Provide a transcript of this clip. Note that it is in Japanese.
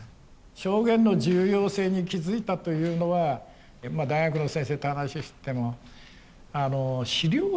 証言の重要性に気付いたというのは大学の先生と話しててもあの資料だけなんだね。